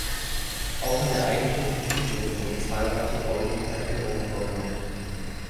Auch in der eigentlichen Siedlung wurden zahlreiche bauliche Veränderungen vorgenommen.